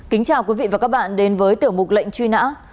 kính chào quý vị và các bạn đến với tiểu mục lệnh truy nã